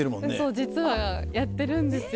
実はやってるんですよ。